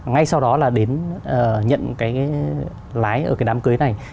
ngay sau đó là đến nhận cái lái ở cái đám cưới này